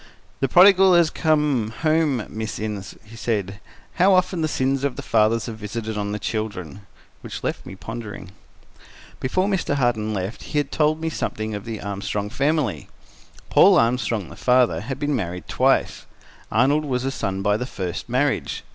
"The prodigal has come home, Miss Innes," he said. "How often the sins of the fathers are visited on the children!" Which left me pondering. Before Mr. Harton left, he told me something of the Armstrong family. Paul Armstrong, the father, had been married twice. Arnold was a son by the first marriage.